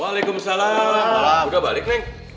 waalaikumsalam udah balik